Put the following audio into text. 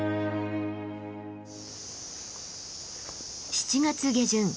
７月下旬